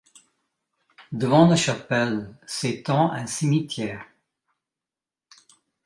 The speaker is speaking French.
Devant la chapelle s'étend un cimetière.